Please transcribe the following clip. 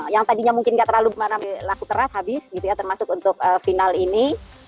yang tadinya mungkin nggak terlalu laku keras habis gitu ya termasuk untuk final ini